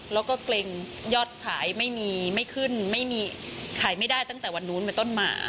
เราก็ขายไม่มีไม่ขึ้นขายไม่ได้ตั้งแต่วันนู้นมาต้นมา